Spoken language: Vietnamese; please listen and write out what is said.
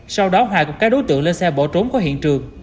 sau đó hòa cùng các đối tượng lên xe bỏ trốn khỏi hiện trường